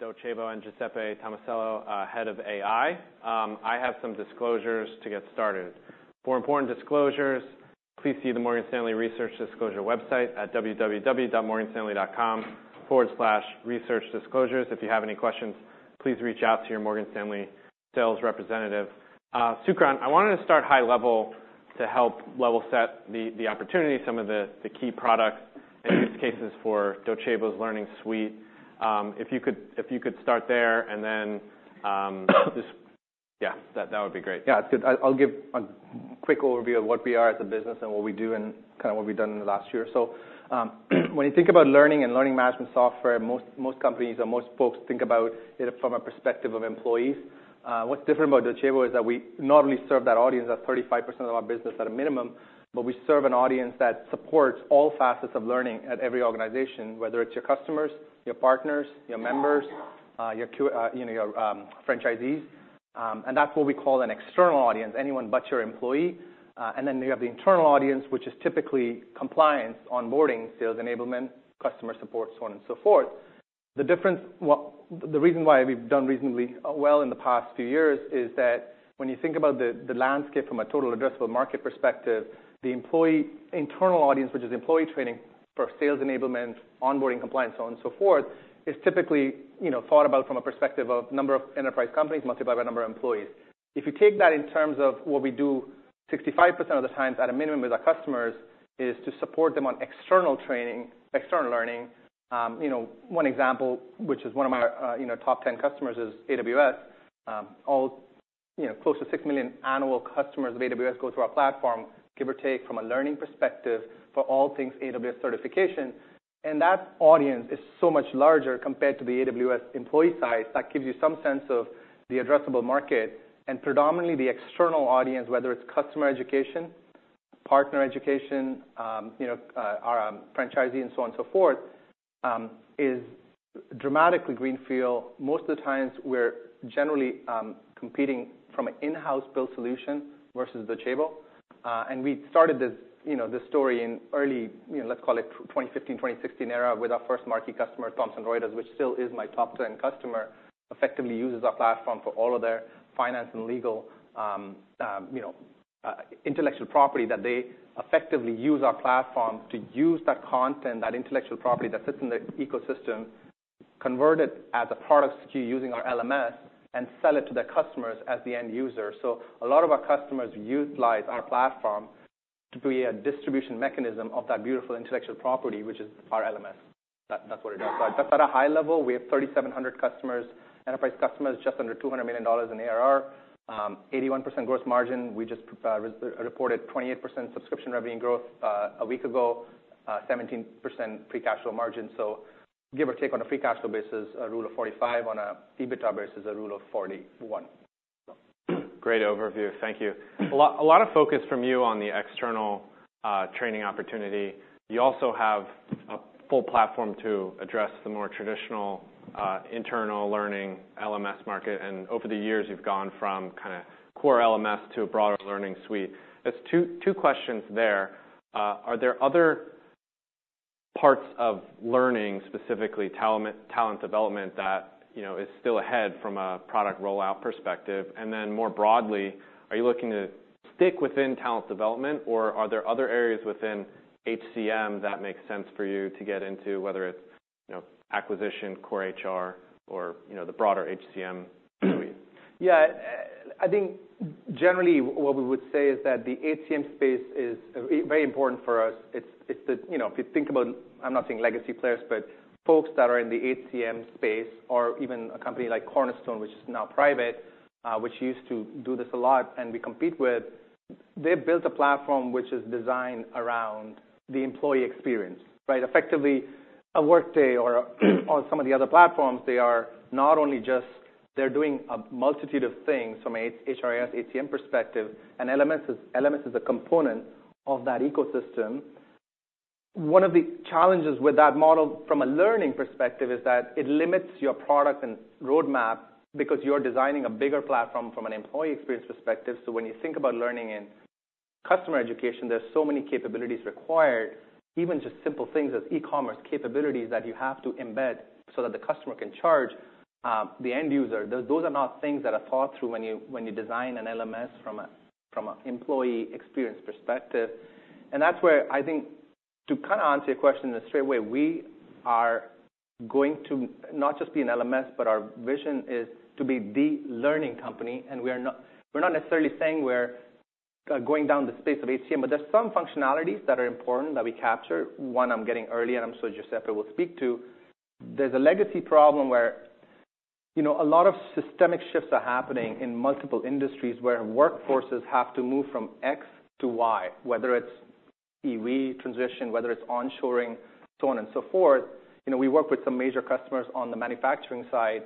Docebo and Giuseppe Tomasello, head of AI. I have some disclosures to get started. For important disclosures, please see the Morgan Stanley Research Disclosure website at www.morganstanley.com/researchdisclosures. If you have any questions, please reach out to your Morgan Stanley sales representative. Sukaran, I wanted to start high level to help level set the opportunity, some of the key products and use cases for Docebo's learning suite. If you could start there and then, just yeah, that would be great. Yeah, it's good. I'll give a quick overview of what we are as a business and what we do and kinda what we've done in the last year. So, when you think about learning and learning management software, most, most companies or most folks think about it from a perspective of employees. What's different about Docebo is that we not only serve that audience of 35% of our business at a minimum, but we serve an audience that supports all facets of learning at every organization, whether it's your customers, your partners, your members, you know, your franchisees. And then you have the internal audience, which is typically compliance, onboarding, sales enablement, customer support, so on and so forth. The difference what the reason why we've done reasonably well in the past few years is that when you think about the landscape from a total addressable market perspective, the employee internal audience, which is employee training for sales enablement, onboarding, compliance, so on and so forth, is typically, you know, thought about from a perspective of number of enterprise companies multiplied by number of employees. If you take that in terms of what we do 65% of the times at a minimum with our customers is to support them on external training, external learning. You know, one example, which is one of my, you know, top 10 customers, is AWS. All, you know, close to six million annual customers of AWS go through our platform, give or take, from a learning perspective for all things AWS certification. That audience is so much larger compared to the AWS employee size that gives you some sense of the addressable market. Predominantly, the external audience, whether it's customer education, partner education, you know, our, franchisee, and so on and so forth, is dramatically greenfield. Most of the times, we're generally, competing from an in-house built solution versus Docebo. We started this, you know, this story in early, you know, let's call it 2015, 2016 era with our first marquee customer, Thomson Reuters, which still is my top 10 customer, effectively uses our platform for all of their finance and legal, you know, intellectual property that they effectively use our platform to use that content, that intellectual property that sits in their ecosystem, convert it as a product secure using our LMS, and sell it to their customers as the end user. So a lot of our customers utilize our platform to create a distribution mechanism of that beautiful intellectual property, which is our LMS. That's what it does. So that's at a high level. We have 3,700 customers, enterprise customers, just under $200 million in ARR, 81% gross margin. We just re-reported 28% subscription revenue growth a week ago, 17% free cash flow margin. So give or take on a free cash flow basis, a rule of 45; on an EBITDA basis, a rule of 41. Great overview. Thank you. A lot, a lot of focus from you on the external, training opportunity. You also have a full platform to address the more traditional, internal learning LMS market. And over the years, you've gone from kinda core LMS to a broader learning suite. It's two, two questions there. Are there other parts of learning, specifically talent development, that, you know, is still ahead from a product rollout perspective? And then more broadly, are you looking to stick within talent development, or are there other areas within HCM that make sense for you to get into, whether it's, you know, acquisition, core HR, or, you know, the broader HCM suite? Yeah. I think generally, what we would say is that the HCM space is very important for us. It's the, you know, if you think about I'm not saying legacy players, but folks that are in the HCM space, or even a company like Cornerstone, which is now private, which used to do this a lot and we compete with, they've built a platform which is designed around the employee experience, right? Effectively, a Workday or on some of the other platforms, they are not only just they're doing a multitude of things from a HRIS, HCM perspective. And LMS is a component of that ecosystem. One of the challenges with that model from a learning perspective is that it limits your product and roadmap because you're designing a bigger platform from an employee experience perspective. So when you think about learning in customer education, there's so many capabilities required, even just simple things as e-commerce capabilities that you have to embed so that the customer can charge the end user. Those are not things that are thought through when you design an LMS from an employee experience perspective. And that's where I think to kinda answer your question in a straight way, we are going to not just be an LMS, but our vision is to be the learning company. And we're not necessarily saying we're going down the space of HCM, but there's some functionalities that are important that we capture. One, I'm getting early, and I'm sure Giuseppe will speak to. There's a legacy problem where, you know, a lot of systemic shifts are happening in multiple industries where workforces have to move from X to Y, whether it's EV transition, whether it's onshoring, so on and so forth. You know, we work with some major customers on the manufacturing side.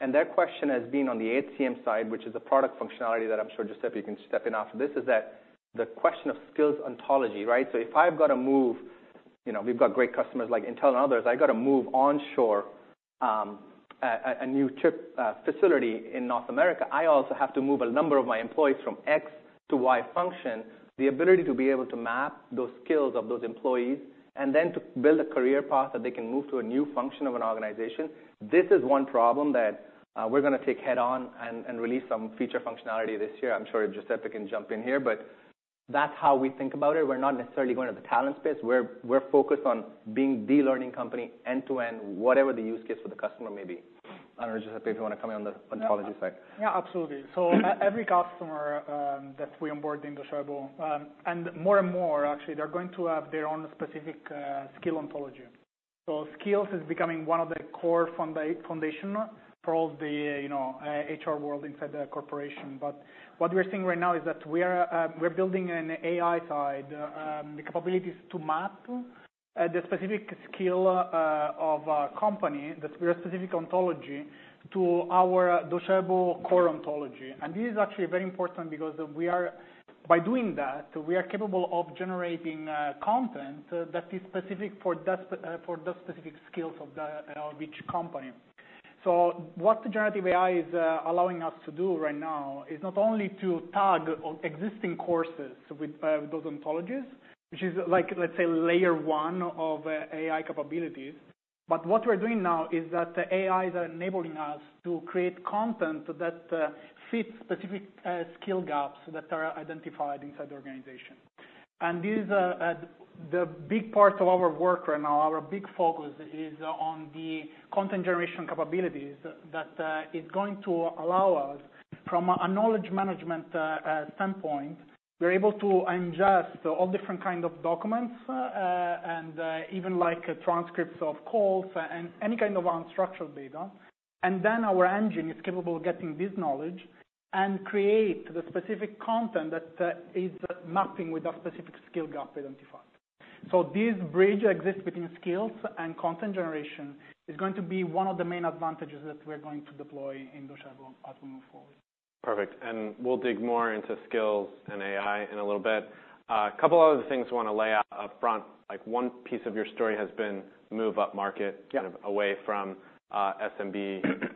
And their question has been on the HCM side, which is a product functionality that I'm sure Giuseppe, you can step in after this, is that the question of skills ontology, right? So if I've gotta move you know, we've got great customers like Intel and others. I gotta move onshore, a new chip facility in North America. I also have to move a number of my employees from X to Y function, the ability to be able to map those skills of those employees, and then to build a career path that they can move to a new function of an organization. This is one problem that we're gonna take head on and release some feature functionality this year. I'm sure Giuseppe can jump in here. But that's how we think about it. We're not necessarily going to the talent space. We're focused on being the learning company end to end, whatever the use case for the customer may be. I don't know, Giuseppe, if you wanna come in on the ontology side. Yeah. Yeah, absolutely. So every customer that we onboard in Docebo, and more and more, actually, they're going to have their own specific skills ontology. So Skills is becoming one of the core foundation for all the, you know, HR world inside the corporation. But what we're seeing right now is that we are, we're building an AI side, the capabilities to map, the specific skill, of a company, the specific ontology to our Docebo core ontology. And this is actually very important because we are by doing that, we are capable of generating, content that is specific for that specific for those specific skills of each company. So what generative AI is, allowing us to do right now is not only to tag existing courses with those ontologies, which is, like, let's say, layer one of AI capabilities. But what we're doing now is that the AI is enabling us to create content that fits specific skill gaps that are identified inside the organization. And this is the big part of our work right now, our big focus is on the content generation capabilities that is going to allow us from a knowledge management standpoint, we're able to ingest all different kinds of documents, and even like transcripts of calls and any kind of unstructured data. And then our engine is capable of getting this knowledge and create the specific content that is mapping with a specific skill gap identified. So this bridge exists between skills and content generation is going to be one of the main advantages that we're going to deploy in Docebo as we move forward. Perfect. And we'll dig more into skills and AI in a little bit. A couple other things we wanna lay out up front. Like, one piece of your story has been move up market. Yeah. Kind of away from SMB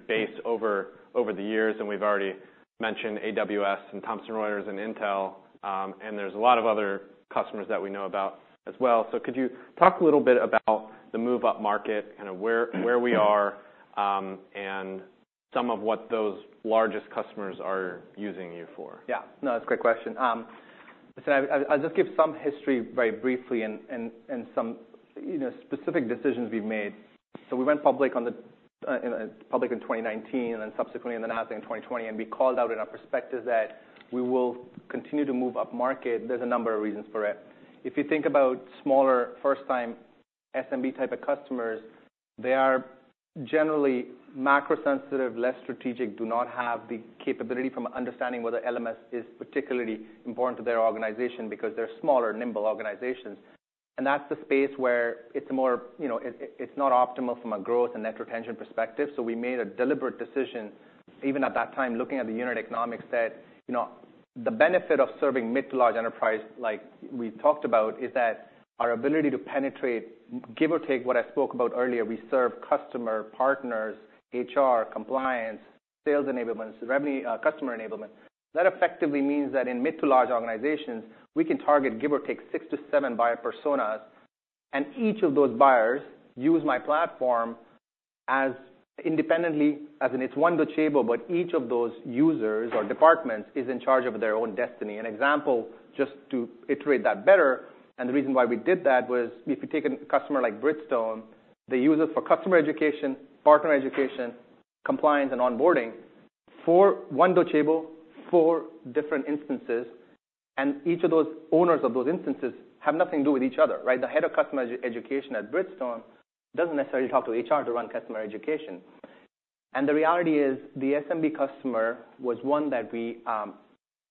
base over the years. We've already mentioned AWS and Thomson Reuters and Intel, and there's a lot of other customers that we know about as well. So could you talk a little bit about the move up market, kinda where we are, and some of what those largest customers are using you for? Yeah. No, that's a great question. Listen, I, I'll just give some history very briefly and some, you know, specific decisions we've made. So we went public on the, you know, public in 2019 and then subsequently announcing in 2020. And we called out in our perspectives that we will continue to move up market. There's a number of reasons for it. If you think about smaller first-time SMB type of customers, they are generally macro-sensitive, less strategic, do not have the capability from understanding whether LMS is particularly important to their organization because they're smaller, nimble organizations. And that's the space where it's more, you know, it's not optimal from a growth and net retention perspective. So we made a deliberate decision, even at that time, looking at the unit economics that, you know, the benefit of serving mid to large enterprise, like we talked about, is that our ability to penetrate, give or take what I spoke about earlier, we serve customer, partners, HR, compliance, sales enablements, revenue, customer enablement. That effectively means that in mid to large organizations, we can target, give or take, six to seven buyer personas. Each of those buyers use my platform as independently as in it's one Docebo, but each of those users or departments is in charge of their own destiny. An example, just to iterate that better, and the reason why we did that was if you take a customer like Bridgestone, they use it for customer education, partner education, compliance, and onboarding for one Docebo, four different instances. Each of those owners of those instances have nothing to do with each other, right? The head of customer education at Bridgestone doesn't necessarily talk to HR to run customer education. The reality is the SMB customer was one that we;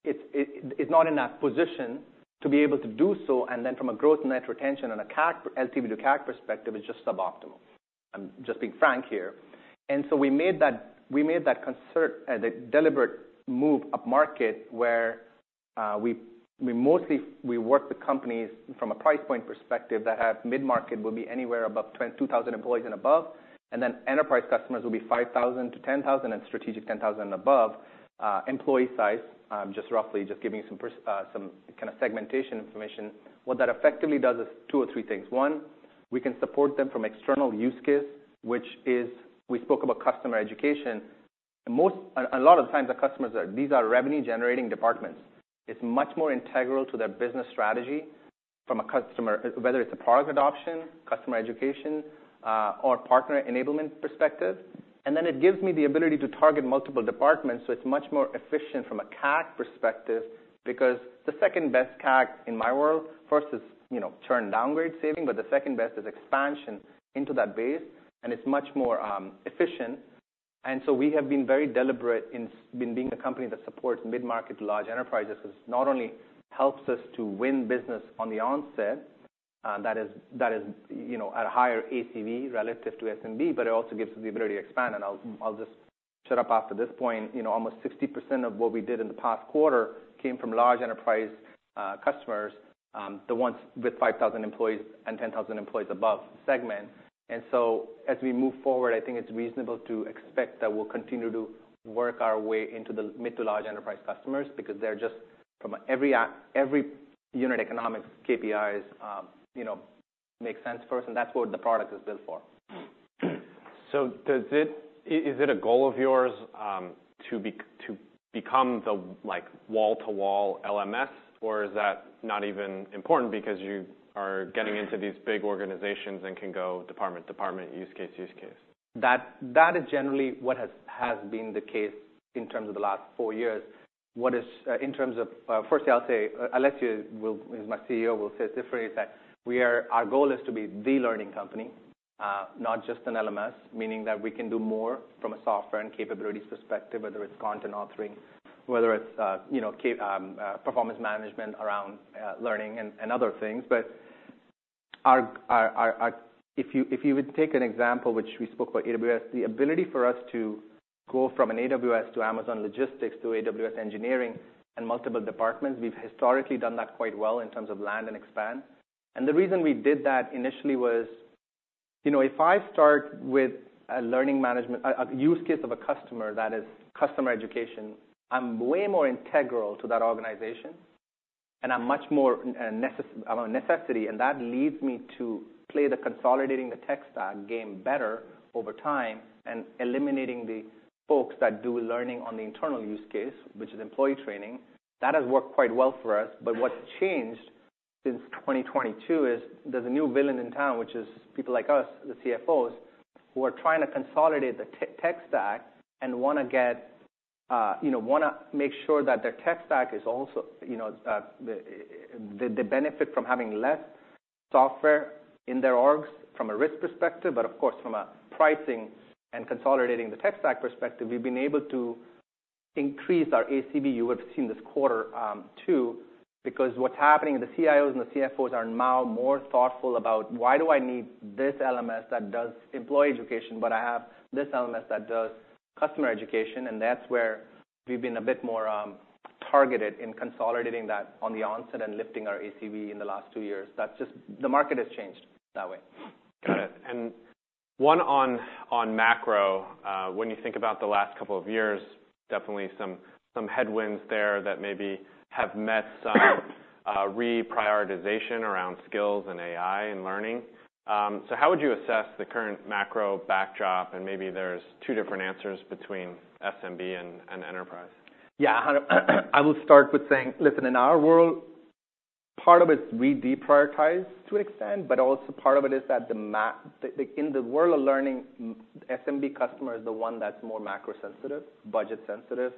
it's, it, it's not in that position to be able to do so. Then from a growth net retention and a CAC LTV to CAC perspective, it's just suboptimal. I'm just being frank here. So we made that we made that conscious, the deliberate move up-market where we mostly work with companies from a price point perspective that have mid-market will be anywhere above 2,000 employees and above. Enterprise customers will be 5,000 to 10,000 and strategic 10,000 and above, employee size, just roughly, just giving you some rough some kind of segmentation information. What that effectively does is two or three things. One, we can support them from external use case, which is we spoke about customer education. Most a lot of the times, our customers are these are revenue generating departments. It's much more integral to their business strategy from a customer whether it's a product adoption, customer education, or partner enablement perspective. And then it gives me the ability to target multiple departments. So it's much more efficient from a CAC perspective because the second best CAC in my world first is, you know, churn downgrade saving, but the second best is expansion into that base. And it's much more efficient. So we have been very deliberate in being a company that supports mid market to large enterprises 'cause it not only helps us to win business on the onset, that is, you know, at a higher ACV relative to SMB, but it also gives us the ability to expand. I'll just shut up after this point. You know, almost 60% of what we did in the past quarter came from large enterprise customers, the ones with 5,000 employees and 10,000 employees above segment. So as we move forward, I think it's reasonable to expect that we'll continue to work our way into the mid to large enterprise customers because they're just from every unit economics KPIs, you know, make sense for us. And that's what the product is built for. So does it is it a goal of yours, to be to become the, like, wall to wall LMS, or is that not even important because you are getting into these big organizations and can go department to department, use case, use case? That is generally what has been the case in terms of the last four years. In terms of, firstly, I'll say, Alessio is my CEO, will say it differently, is that our goal is to be the learning company, not just an LMS, meaning that we can do more from a software and capabilities perspective, whether it's content authoring, whether it's, you know, ca performance management around, learning and other things. But if you would take an example, which we spoke about AWS, the ability for us to go from an AWS to Amazon logistics to AWS engineering and multiple departments, we've historically done that quite well in terms of land and expand. The reason we did that initially was, you know, if I start with a learning management, a use case of a customer that is customer education, I'm way more integral to that organization. I'm much more necessary about necessity. That leads me to play the consolidating tech stack game better over time and eliminating the folks that do learning on the internal use case, which is employee training. That has worked quite well for us. But what's changed since 2022 is there's a new villain in town, which is people like us, the CFOs, who are trying to consolidate the tech stack and wanna get, you know, wanna make sure that their tech stack is also, you know, the benefit from having less software in their orgs from a risk perspective. But of course, from a pricing and consolidating the tech stack perspective, we've been able to increase our ACV. You would've seen this quarter, too because what's happening the CIOs and the CFOs are now more thoughtful about, "Why do I need this LMS that does employee education, but I have this LMS that does customer education?" And that's where we've been a bit more, targeted in consolidating that on the onset and lifting our ACV in the last two years. That's just the market has changed that way. Got it. And one on macro, when you think about the last couple of years, definitely some headwinds there that maybe have met some reprioritization around skills and AI and learning. So how would you assess the current macro backdrop? And maybe there's two different answers between SMB and enterprise. Yeah. I will start with saying, listen, in our world, part of it's we deprioritize to an extent, but also part of it is that the in the world of learning, SMB customer is the one that's more macrosensitive, budget sensitive.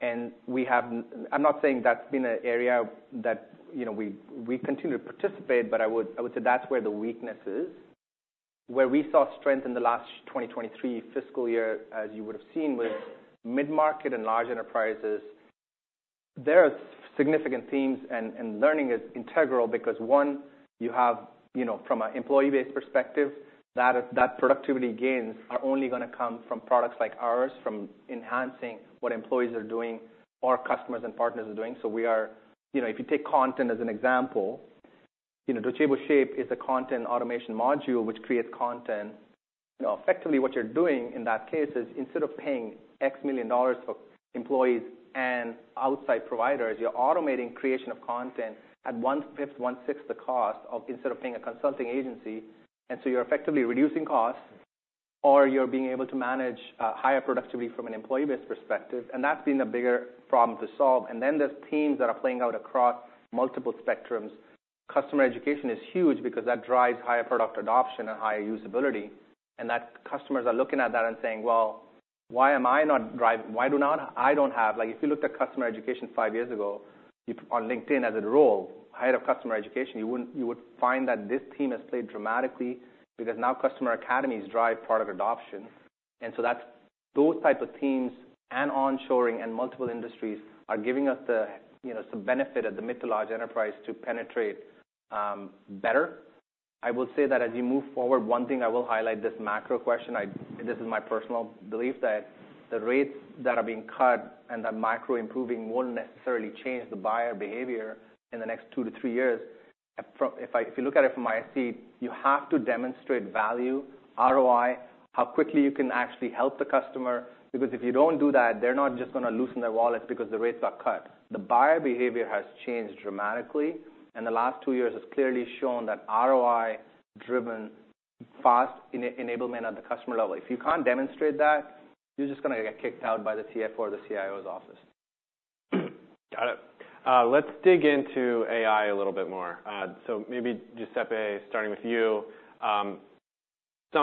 And we have, I'm not saying that's been an area that, you know, we continue to participate, but I would say that's where the weakness is. Where we saw strength in the last 2023 fiscal year, as you would've seen, was mid market and large enterprises. There are significant themes, and learning is integral because, one, you have, you know, from an employee-based perspective, that productivity gains are only gonna come from products like ours, from enhancing what employees are doing or customers and partners are doing. So, we are, you know, if you take content as an example, you know, Docebo Shape is a content automation module which creates content. You know, effectively, what you're doing in that case is instead of paying $X million for employees and outside providers, you're automating creation of content at one-fifth, one-sixth the cost of instead of paying a consulting agency. And so you're effectively reducing costs, or you're being able to manage higher productivity from an employee-based perspective. And that's been a bigger problem to solve. And then there's themes that are playing out across multiple spectrums. Customer education is huge because that drives higher product adoption and higher usability. Customers are looking at that and saying, "Well, why am I not driving? Why don't I have" like, if you looked at customer education five years ago, you on LinkedIn as a role, head of customer education, you wouldn't. You would find that this theme has played dramatically because now customer academies drive product adoption. And so that's those type of themes and onshoring and multiple industries are giving us the, you know, some benefit at the mid- to large-enterprise to penetrate better. I will say that as you move forward, one thing I will highlight, this macro question. This is my personal belief, that the rates that are being cut and the macro improving won't necessarily change the buyer behavior in the next two to three years. If you look at it from my seat, you have to demonstrate value, ROI, how quickly you can actually help the customer. Because if you don't do that, they're not just gonna loosen their wallets because the rates got cut. The buyer behavior has changed dramatically. And the last two years has clearly shown that ROI-driven fast enablement at the customer level. If you can't demonstrate that, you're just gonna get kicked out by the CFO or the CIO's office. Got it. Let's dig into AI a little bit more. So maybe Giuseppe, starting with you, some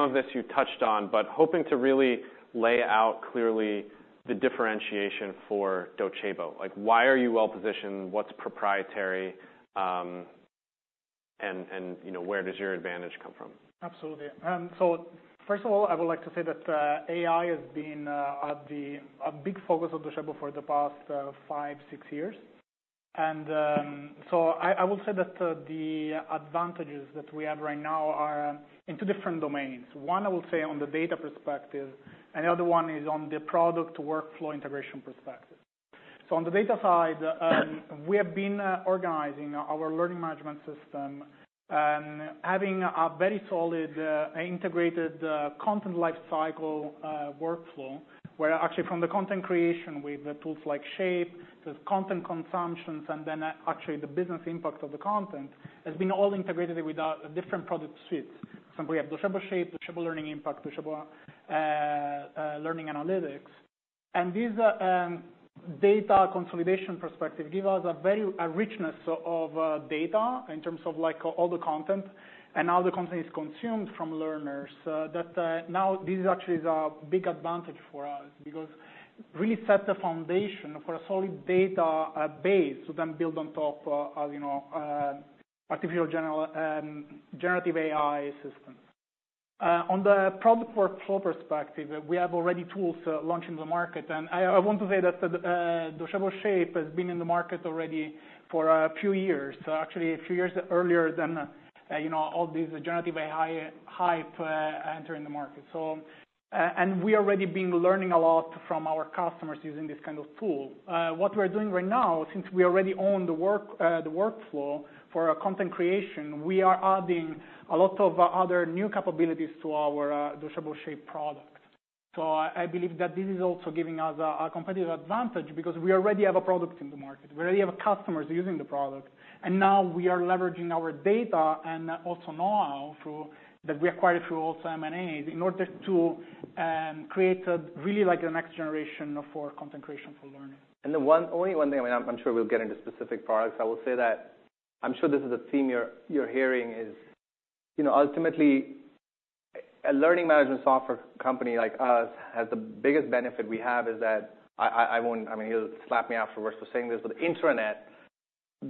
of this you touched on, but hoping to really lay out clearly the differentiation for Docebo. Like, why are you well positioned? What's proprietary? And, and, you know, where does your advantage come from? Absolutely. So first of all, I would like to say that AI has been a big focus of Docebo for the past five, six years. So I will say that the advantages that we have right now are in two different domains. One, I will say, on the data perspective. And the other one is on the product workflow integration perspective. So on the data side, we have been organizing our learning management system, having a very solid integrated content lifecycle workflow where actually from the content creation with tools like Shape, there's content consumption, and then actually the business impact of the content has been all integrated with different product suites. For example, we have Docebo Shape, Docebo Learning Impact, Docebo Learning Analytics. These data consolidation perspective give us a very richness of data in terms of, like, all the content and how the content is consumed from learners. That, now this actually is a big advantage for us because really set the foundation for a solid database to then build on top, you know, artificial general generative AI assistant. On the product workflow perspective, we have already launched tools into the market. And I want to say that Docebo Shape has been in the market already for a few years, actually a few years earlier than, you know, all these generative AI hype entering the market. So, and we are already learning a lot from our customers using this kind of tool. What we are doing right now, since we already own the work, the workflow for content creation, we are adding a lot of other new capabilities to our Docebo Shape product. So I believe that this is also giving us a competitive advantage because we already have a product in the market. We already have customers using the product. And now we are leveraging our data and also know-how through that we acquired through also M&As in order to create really like the next generation for content creation for learning. The one only one thing I mean, I'm sure we'll get into specific products. I will say that I'm sure this is a theme you're hearing is, you know, ultimately, a learning management software company like us has the biggest benefit we have is that I won't I mean, he'll slap me afterwards for saying this, but the intranet,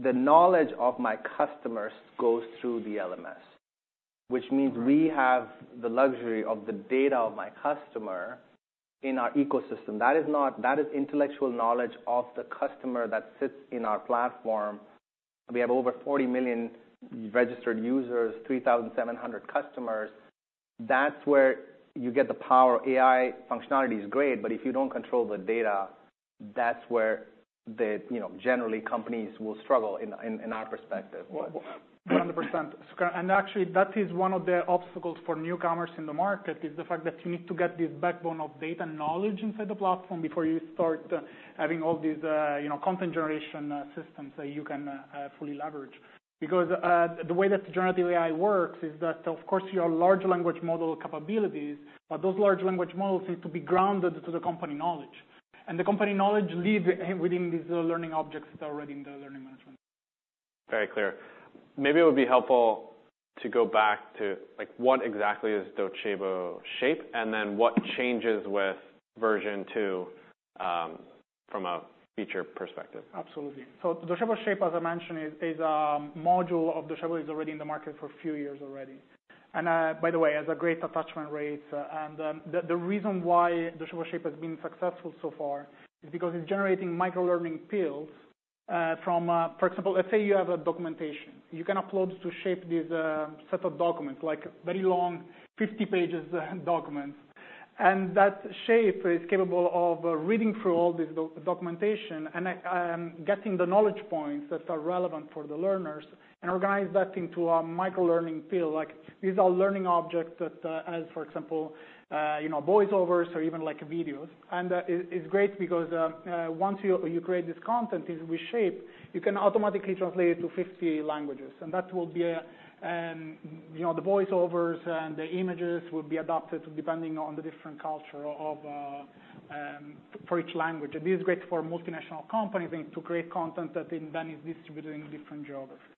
the knowledge of my customers goes through the LMS, which means we have the luxury of the data of my customer in our ecosystem. That is intellectual knowledge of the customer that sits in our platform. We have over 40 million registered users, 3,700 customers. That's where you get the power. AI functionality is great, but if you don't control the data, that's where the, you know, generally, companies will struggle in our perspective. Well, 100%. Sukaran, and actually, that is one of the obstacles for newcomers in the market is the fact that you need to get this backbone of data and knowledge inside the platform before you start having all these, you know, content generation, systems that you can, fully leverage. Because, the way that generative AI works is that, of course, you have large language model capabilities, but those large language models need to be grounded to the company knowledge. And the company knowledge live within these learning objects that are already in the learning management. Very clear. Maybe it would be helpful to go back to, like, what exactly is Docebo Shape, and then what changes with version two, from a feature perspective. Absolutely. So Docebo Shape, as I mentioned, is a module of Docebo already in the market for a few years already. And, by the way, has a great attachment rate. And the reason why Docebo Shape has been successful so far is because it's generating microlearning pills from, for example, let's say you have a documentation. You can upload to Shape this set of documents, like very long 50-page documents. And Shape is capable of reading through all this documentation and getting the knowledge points that are relevant for the learners and organize that into a microlearning pill. Like, these are learning objects that, as for example, you know, voiceovers or even like videos. And it's great because once you create this content with Shape, you can automatically translate it to 50 languages. That will be a, you know, the voiceovers and the images will be adapted depending on the different culture of, for each language. This is great for multinational companies and to create content that then is distributed in different geographies.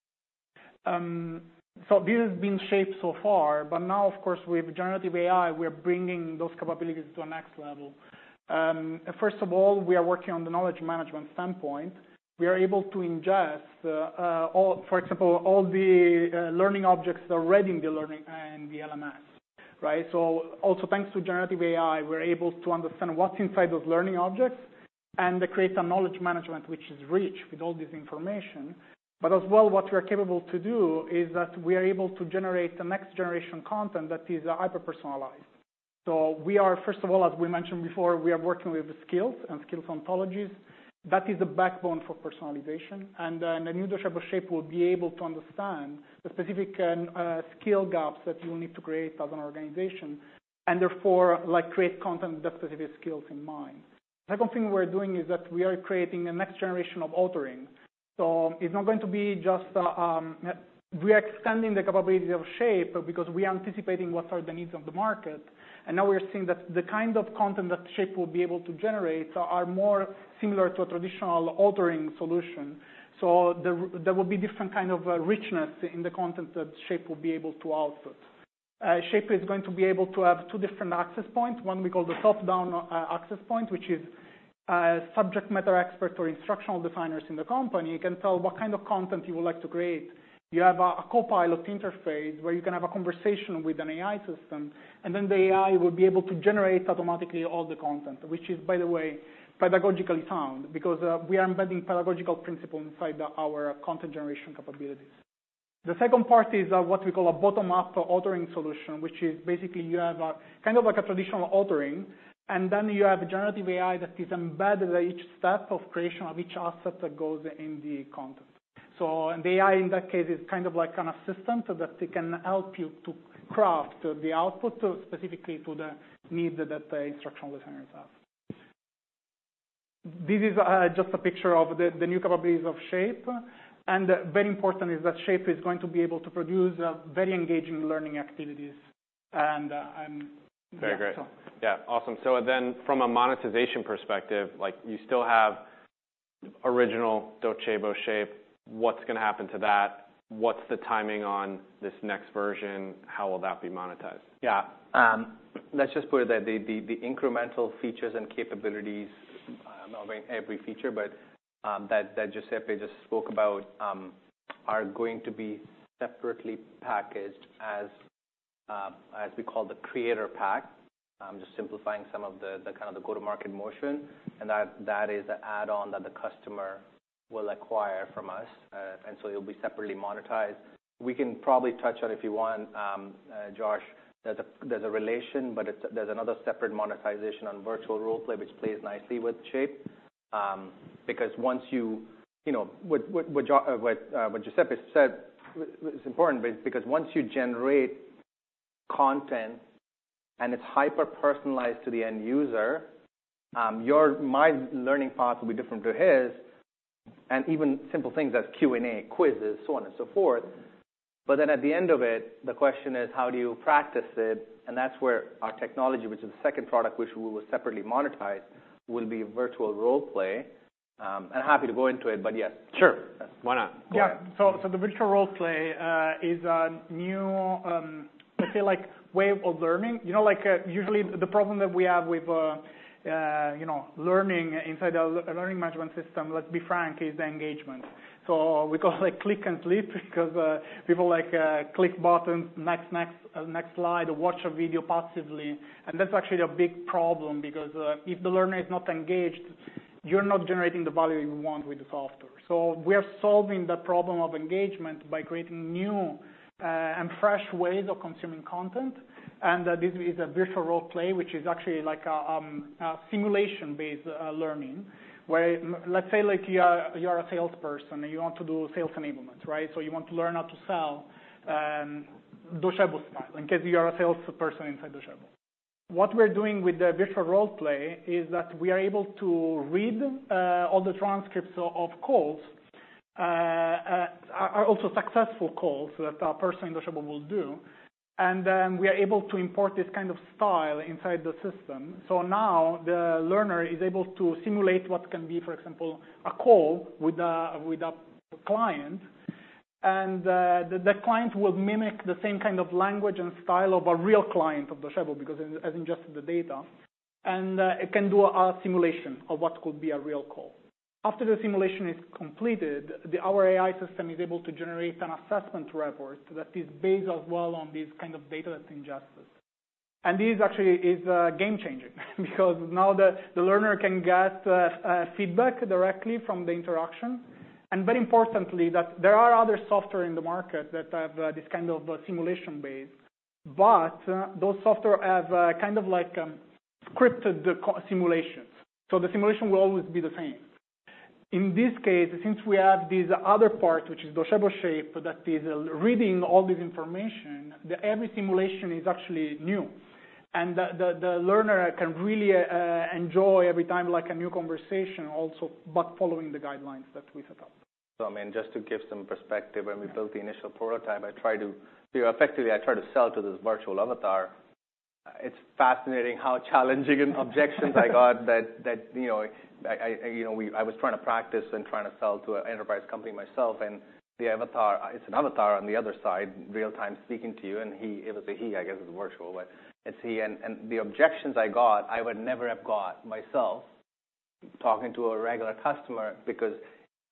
So this has been Shape so far. But now, of course, with generative AI, we are bringing those capabilities to a next level. First of all, we are working on the knowledge management standpoint. We are able to ingest, for example, all the learning objects that are already in the learning and the LMS, right? So also thanks to generative AI, we're able to understand what's inside those learning objects and create a knowledge management which is rich with all this information. But as well, what we are capable to do is that we are able to generate the next generation content that is hyper-personalized. So we are first of all, as we mentioned before, we are working with skills and skills ontologies. That is the backbone for personalization. And the new Docebo Shape will be able to understand the specific skill gaps that you will need to create as an organization and therefore, like, create content with the specific skills in mind. The second thing we're doing is that we are creating a next generation of authoring. So it's not going to be just, we are extending the capability of Shape because we are anticipating what are the needs of the market. And now we are seeing that the kind of content that Shape will be able to generate are more similar to a traditional authoring solution. So there will be different kind of richness in the content that Shape will be able to output. Shape is going to be able to have two different access points. One we call the top-down access point, which is, subject matter experts or instructional designers in the company can tell what kind of content you would like to create. You have a copilot interface where you can have a conversation with an AI system. And then the AI will be able to generate automatically all the content, which is, by the way, pedagogically sound because, we are embedding pedagogical principles inside our content generation capabilities. The second part is what we call a bottom-up authoring solution, which is basically you have a kind of like a traditional authoring. And then you have generative AI that is embedded at each step of creation of each asset that goes in the content. So the AI, in that case, is kind of like an assistant that can help you to craft the output specifically to the needs that the instructional designers have. This is just a picture of the new capabilities of Shape. And very important is that Shape is going to be able to produce very engaging learning activities. And, yeah. Very great. Yeah. Awesome. So then from a monetization perspective, like, you still have original Docebo Shape. What's gonna happen to that? What's the timing on this next version? How will that be monetized? Yeah. Let's just put it that the incremental features and capabilities—I'm not naming every feature, but that Giuseppe just spoke about—are going to be separately packaged as, as we call the Creator Pack. I'm just simplifying some of the, the kind of the go-to-market motion. And that is the add-on that the customer will acquire from us. And so it'll be separately monetized. We can probably touch on it if you want, Josh. There's a relation, but there's another separate monetization on Virtual Roleplay which plays nicely with Shape, because once you, you know, what Giuseppe said is important because once you generate content and it's hyper-personalized to the end user, your learning path will be different to his. And even simple things as Q&A, quizzes, so on and so forth. But then at the end of it, the question is, how do you practice it? That's where our technology, which is the second product which we will separately monetize, will be Virtual Roleplay. I'm happy to go into it, but yes. Sure. Why not? Go ahead. Yeah. So the Virtual Roleplay is a new, I feel like, way of learning. You know, like, usually, the problem that we have with, you know, learning inside a learning management system, let's be frank, is the engagement. So we call it click and sleep because people like click buttons, next, next, next slide, watch a video passively. And that's actually a big problem because if the learner is not engaged, you're not generating the value you want with the software. So we are solving that problem of engagement by creating new and fresh ways of consuming content. And this is a Virtual Roleplay which is actually like a simulation-based learning where let's say, like, you are a salesperson and you want to do sales enablement, right? So you want to learn how to sell Docebo style in case you are a salesperson inside Docebo. What we're doing with the Virtual Roleplay is that we are able to read all the transcripts of calls, also successful calls that a person in Docebo will do. And then we are able to import this kind of style inside the system. So now the learner is able to simulate what can be, for example, a call with a with a client. And the client will mimic the same kind of language and style of a real client of Docebo because it has ingested the data. And it can do a simulation of what could be a real call. After the simulation is completed, our AI system is able to generate an assessment report that is based as well on this kind of data that's ingested. And this actually is game-changing because now the learner can get feedback directly from the interaction. Very importantly, that there are other software in the market that have this kind of simulation-based. But those software have, kind of like, scripted simulations. So the simulation will always be the same. In this case, since we have this other part which is Docebo Shape that is reading all this information, every simulation is actually new. And the learner can really enjoy every time, like, a new conversation also but following the guidelines that we set up. So I mean, just to give some perspective, when we built the initial prototype, I tried to sell to this virtual avatar. It's fascinating how challenging and objections I got, that you know, I was trying to practice and trying to sell to an enterprise company myself. And the avatar, it's an avatar on the other side real-time speaking to you. And he, it was a he, I guess, is virtual, but it's he. And the objections I got, I would never have got myself talking to a regular customer because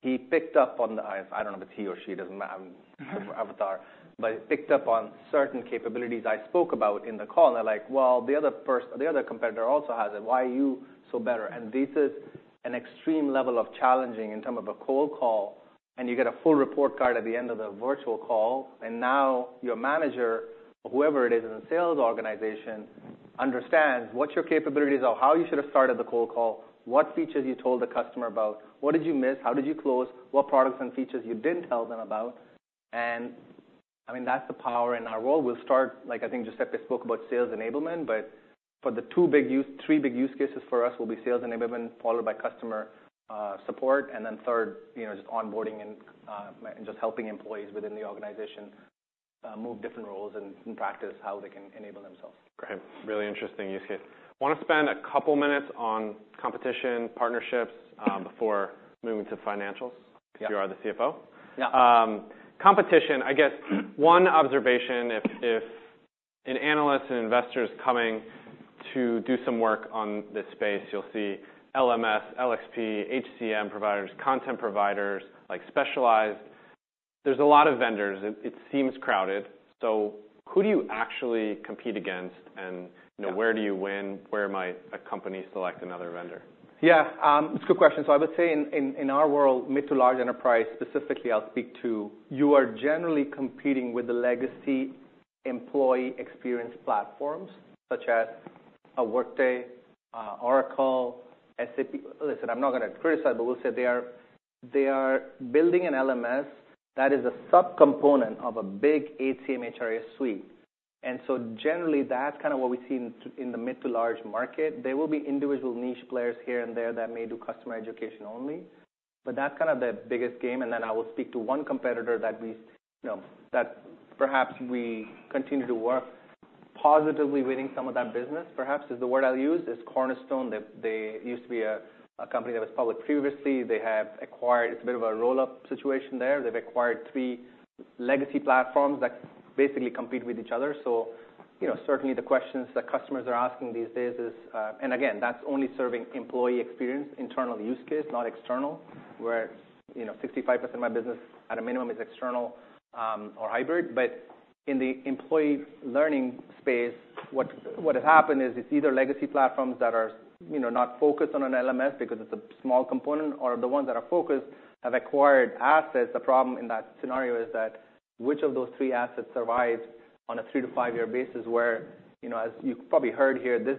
he picked up on the—I don't know if it's he or she. It doesn't matter. I'm the avatar. But he picked up on certain capabilities I spoke about in the call. And they're like, "Well, the other person, the other competitor also has it. Why are you so better?" This is an extreme level of challenging in terms of a cold call. You get a full report card at the end of the virtual call. Now your manager, whoever it is in the sales organization, understands what your capabilities are, how you should have started the cold call, what features you told the customer about, what did you miss, how did you close, what products and features you didn't tell them about. I mean, that's the power in our role. We'll start like, I think Giuseppe spoke about sales enablement. But for the two big use three big use cases for us will be sales enablement followed by customer support. Then third, you know, just onboarding and just helping employees within the organization move different roles and practice how they can enable themselves. Great. Really interesting use case. Wanna spend a couple minutes on competition, partnerships, before moving to financials if you are the CFO? Yeah. Competition. I guess one observation, if an analyst and investor's coming to do some work on this space, you'll see LMS, LXP, HCM providers, content providers, like specialized. There's a lot of vendors. It seems crowded. So who do you actually compete against? And, you know, where do you win? Where might a company select another vendor? Yeah, it's a good question. So I would say in our world, mid- to large enterprise specifically, I'll speak to, we're generally competing with the legacy employee experience platforms such as Workday, Oracle, SAP. Listen, I'm not gonna criticize, but we'll say they are building an LMS that is a subcomponent of a big HCM HR suite. And so generally, that's kind of what we see in the mid- to large market. There will be individual niche players here and there that may do customer education only. But that's kind of the biggest game. And then I will speak to one competitor that we, you know, that perhaps we continue to work positively with in some of that business, perhaps is the word I'll use, is Cornerstone. They used to be a company that was public previously. They have acquired. It's a bit of a roll-up situation there. They've acquired three legacy platforms that basically compete with each other. So, you know, certainly, the questions that customers are asking these days is, and again, that's only serving employee experience, internal use case, not external where, you know, 65% of my business at a minimum is external, or hybrid. But in the employee learning space, what has happened is it's either legacy platforms that are, you know, not focused on an LMS because it's a small component or the ones that are focused have acquired assets. The problem in that scenario is that which of those three assets survives on a 3-5-year basis where, you know, as you probably heard here, this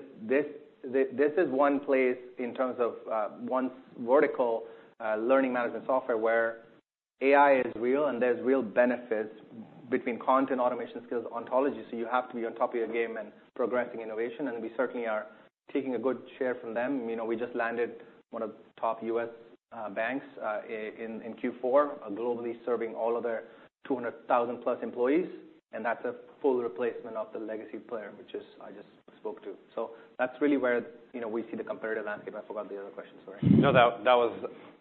is one place in terms of, one vertical, learning management software where AI is real and there's real benefits between content, automation, skills, ontology. So you have to be on top of your game and progressing innovation. And we certainly are taking a good share from them. You know, we just landed one of the top U.S. banks in Q4, globally serving all of their 200,000-plus employees. And that's a full replacement of the legacy player which is I just spoke to. So that's really where, you know, we see the competitive landscape. I forgot the other question. Sorry. No, that was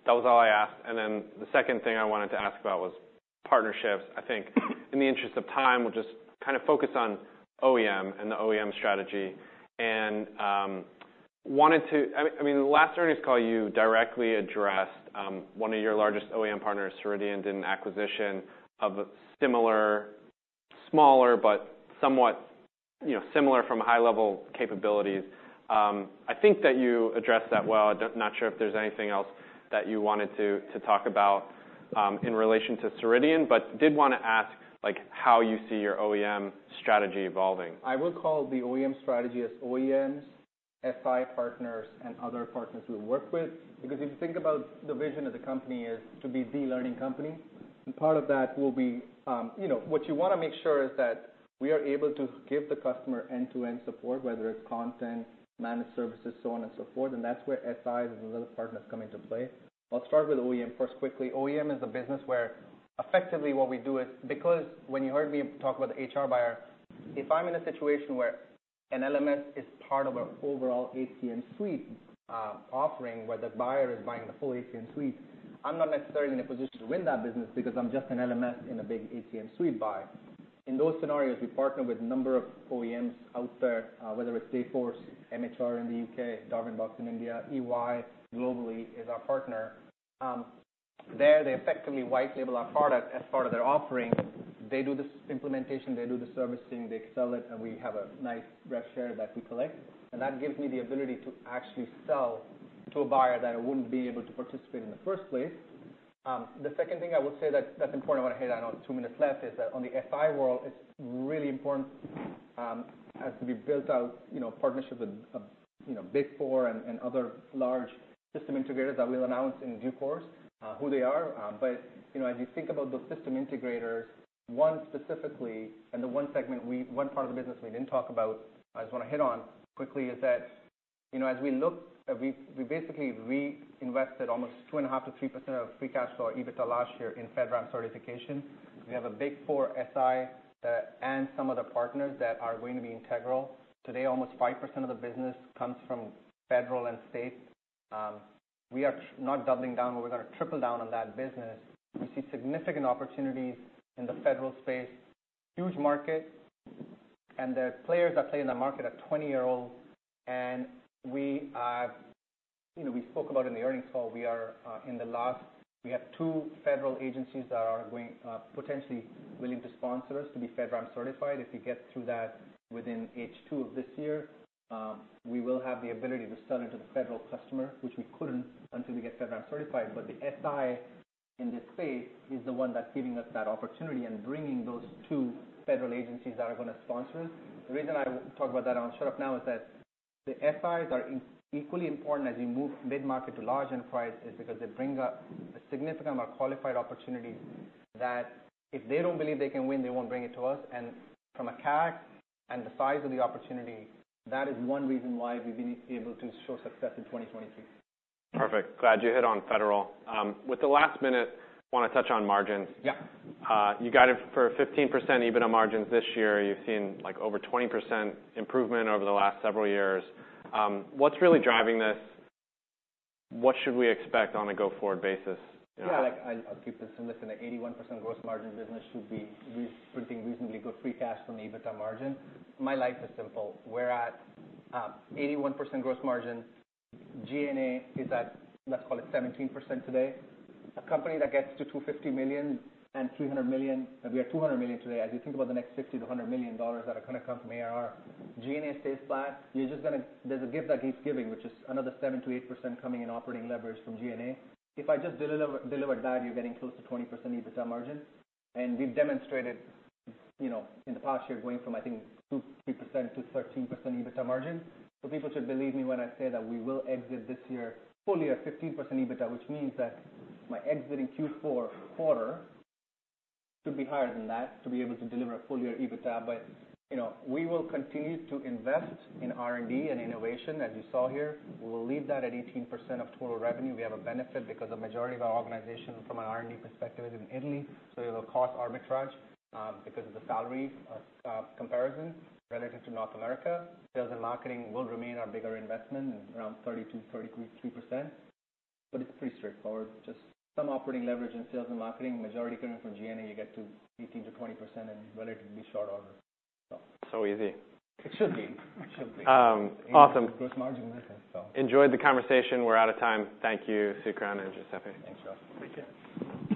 all I asked. And then the second thing I wanted to ask about was partnerships. I think in the interest of time, we'll just kind of focus on OEM and the OEM strategy. And wanted to. I mean, I mean, last earnings call, you directly addressed one of your largest OEM partners, Ceridian, did an acquisition of a similar, smaller, but somewhat, you know, similar from high-level capabilities. I think that you addressed that well. I'm not sure if there's anything else that you wanted to talk about in relation to Ceridian. But did wanna ask, like, how you see your OEM strategy evolving. I will call the OEM strategy as OEMs, SI partners, and other partners we work with because if you think about the vision of the company is to be the learning company. Part of that will be, you know, what you wanna make sure is that we are able to give the customer end-to-end support whether it's content, managed services, so on and so forth. That's where SIs and other partners come into play. I'll start with OEM first quickly. OEM is a business where effectively, what we do is because when you heard me talk about the HR buyer, if I'm in a situation where an LMS is part of an overall HCM suite, offering where the buyer is buying the full HCM suite, I'm not necessarily in a position to win that business because I'm just an LMS in a big HCM suite buy. In those scenarios, we partner with a number of OEMs out there, whether it's Salesforce, MHR in the UK, Darwinbox in India, EY globally is our partner. There, they effectively white-label our product as part of their offering. They do the implementation. They do the servicing. They sell it. And we have a nice ref share that we collect. And that gives me the ability to actually sell to a buyer that I wouldn't be able to participate in the first place. The second thing I will say that, that's important. I wanna hit on. I know two minutes left is that on the SI world, it's really important, as to be built out, you know, partnership with, you know, Big Four and, and other large system integrators that we'll announce in due course, who they are. You know, as you think about those system integrators, one specifically and the one segment we, one part of the business we didn't talk about, I just wanna hit on quickly, is that, you know, as we looked, we basically reinvested almost 2.5%-3% of free cash flow or EBITDA last year in FedRAMP certification. We have a Big Four, SI, and some other partners that are going to be integral. Today, almost 5% of the business comes from federal and state. We are not doubling down, but we're gonna triple down on that business. We see significant opportunities in the federal space, huge market. And the players that play in that market are 20-year-olds. We have you know, we spoke about in the earnings call, we are, in the last we have two federal agencies that are going, potentially willing to sponsor us to be FedRAMP certified. If we get through that within H2 of this year, we will have the ability to sell into the federal customer which we couldn't until we get FedRAMP certified. But the SI in this space is the one that's giving us that opportunity and bringing those two federal agencies that are gonna sponsor us. The reason I talk about that and I'll shut up now is that the SIs are equally important as you move mid-market to large enterprise is because they bring up a significant amount of qualified opportunities that if they don't believe they can win, they won't bring it to us. From a CAC and the size of the opportunity, that is one reason why we've been able to show success in 2023. Perfect. Glad you hit on federal. With the last minute, wanna touch on margins. Yeah. You guided for 15% EBITDA margins this year. You've seen, like, over 20% improvement over the last several years. What's really driving this? What should we expect on a go-forward basis? Yeah. Like, I'll keep this simplest. In a 81% gross margin business, we should be printing reasonably good free cash from EBITDA margin. My life is simple. We're at 81% gross margin. G&A is at let's call it 17% today. A company that gets to $250 million and $300 million we are $200 million today. As you think about the next $50 million-$100 million that are gonna come from ARR, G&A stays flat. You're just gonna there's a gift that keeps giving which is another 7%-8% coming in operating leverage from G&A. If I just deliver deliver that, you're getting close to 20% EBITDA margin. And we've demonstrated, you know, in the past year going from, I think, 2%-3% to 13% EBITDA margin. So people should believe me when I say that we will exit this year fully at 15% EBITDA, which means that my exit in Q4 quarter should be higher than that to be able to deliver a fully year EBITDA. But, you know, we will continue to invest in R&D and innovation as you saw here. We'll leave that at 18% of total revenue. We have a benefit because a majority of our organization from an R&D perspective is in Italy. So it'll cost arbitrage, because of the salaries comparison relative to North America. Sales and marketing will remain our bigger investment around 30%-33%. But it's pretty straightforward. Just some operating leverage in sales and marketing. Majority coming from G&A, you get to 18%-20% in relatively short order, so. So easy. It should be. It should be. awesome. Gross margin business, so. Enjoyed the conversation. We're out of time. Thank you, Sukaran and Giuseppe. Thanks, Josh. Thank you.